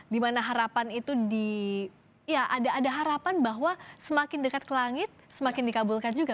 dimana harapan itu di ya ada harapan bahwa semakin dekat ke langit semakin dikabulkan juga